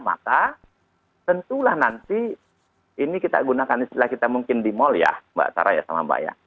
maka tentulah nanti ini kita gunakan istilah kita mungkin di mall ya mbak sarah ya sama mbak ya